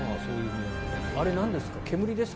あれは何ですか？